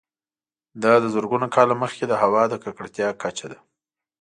دا د زرګونه کاله مخکې د هوا د ککړتیا کچه ده